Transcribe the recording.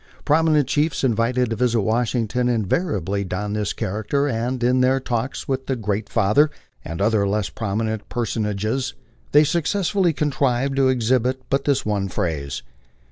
Prominent chiefs invited to visit Washington invariably don this character, and in their "talks" with the " Great Father " and other less prominent personages they successfully contrive to exhibit but this one phase.